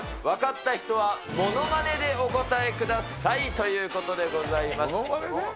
分かった人は、モノマネでお答えください。ということでございます。